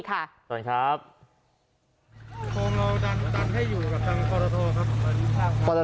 สวัสดีครับ